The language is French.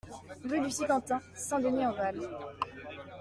Rue du Sicantin, Saint-Denis-en-Val